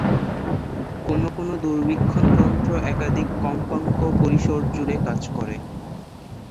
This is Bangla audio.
কোনও কোনও দূরবীক্ষণ যন্ত্র একাধিক কম্পাঙ্ক পরিসর জুড়ে কাজ করে।